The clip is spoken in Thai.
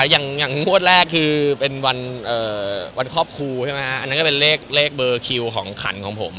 สินวัดแรกคือวันครอบครูอันนั้นก็คือเลขเบอร์คิวของขันของผม